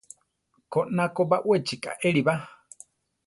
Koná ko baʼwechi kaéli ba.